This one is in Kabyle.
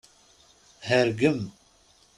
Hergem!